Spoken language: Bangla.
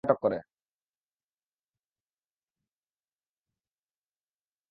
এলাকাবাসীর ভাষ্য, গতকাল ভোররাতে ডাকাতির প্রস্তুতিকালে স্থানীয় লোকজন ধাওয়া করে ছয়জনকে আটক করে।